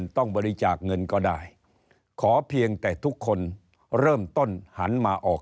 ต้องบริจาคเงินก็ได้ขอเพียงแต่ทุกคนเริ่มต้นหันมาออก